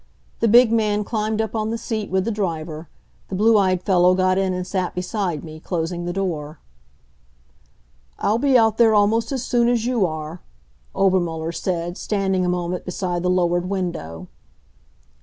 The big man climbed up on the seat with the driver. The blue eyed fellow got in and sat beside me, closing the door. "I'll be out there almost as soon as you are," Obermuller said, standing a moment beside the lowered window.